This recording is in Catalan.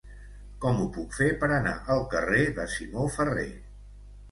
Com ho puc fer per anar al carrer de Simó Ferrer?